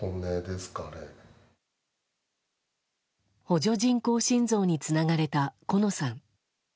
補助人工心臓につながれた好乃さん。